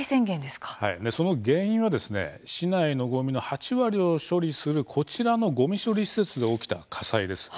その原因は市内のごみの８割を処理するこちらの、ごみ処理施設で起きた火災です。